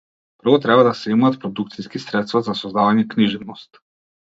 Прво треба да се имаат продукциски средства за создавање книжевност.